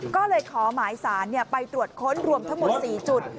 ก็เลยขอหมายสารไปตรวจค้นรวมทั้งหมด๔จุด